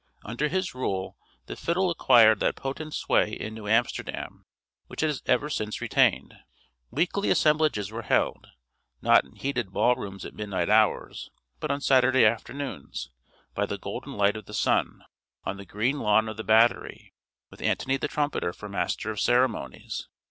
Under his rule the fiddle acquired that potent sway in New Amsterdam which it has ever since retained. Weekly assemblages were held, not in heated ball rooms at midnight hours, but on Saturday afternoons, by the golden light of the sun, on the green lawn of the Battery; with Antony the Trumpeter for master of ceremonies.